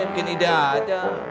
mungkin tidak aja